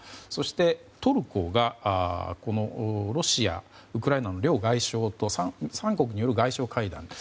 そして、トルコがロシア、ウクライナの両外相と３か国による外相会談。